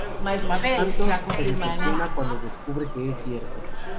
Santos se decepciona cuando descubre que es cierto.